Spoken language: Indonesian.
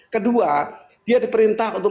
kedua dia diperintah untuk